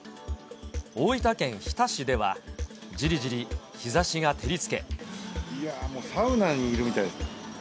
大分県日田市では、いやもう、サウナにいるみたい。